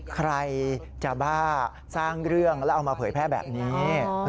ใครจะบ้าสร้างเรื่องแล้วเอามาเผยแพร่แบบนี้